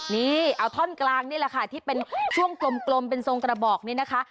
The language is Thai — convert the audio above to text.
นี่เอาท่อนกลางนี่แหละค่ะที่เป็นช่วงกลมเป็นทรงกระบอกนี้นะคะ